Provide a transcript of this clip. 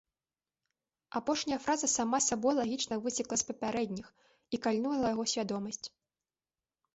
Апошняя фраза сама сабой лагічна выцекла з папярэдніх і кальнула яго свядомасць.